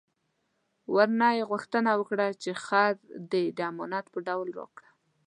ورنه یې غوښتنه وکړه چې خر دې د امانت په ډول راکړه.